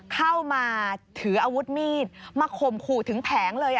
เข้ามาถืออาวุธมีดมาข่มขู่ถึงแผงเลย